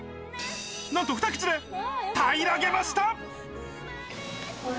なんと、ふた口でたいらげました。